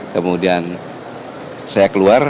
kemudian saya keluar